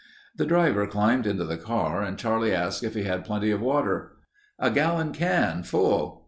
The driver climbed into the car and Charlie asked if he had plenty of water. "A gallon can full...."